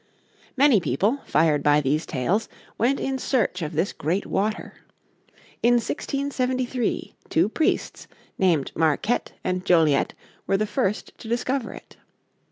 Many people, fired by these tales, went in search of this great water. In 1673 two priests named Marquette and Joliet were the first to discover it.